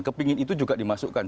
kepingin itu juga dimasukkan